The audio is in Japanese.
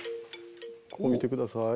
ここ見て下さい。